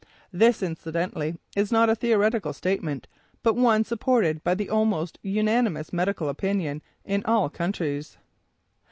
This incidentally, is not a theoretical statement, but one supported by the almost unanimous medical opinion in all countries.